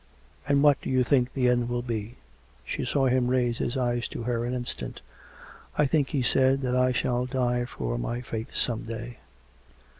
" And what do you think the end will be .''" She saw him raise his eyes to her an instant. " I think," he said, " that I shall die for my faith some day."